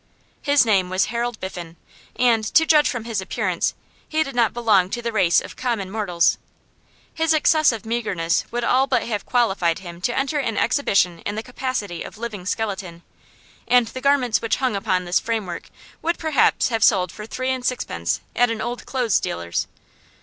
His name was Harold Biffen, and, to judge from his appearance, he did not belong to the race of common mortals. His excessive meagreness would all but have qualified him to enter an exhibition in the capacity of living skeleton, and the garments which hung upon this framework would perhaps have sold for three and sixpence at an old clothes dealer's.